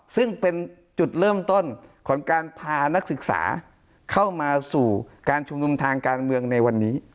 ซึ่งเป็นจุดเริ่มต้นของการพานักศึกษาเข้ามาสู่การชุมนุมทางการเมืองในวันนี้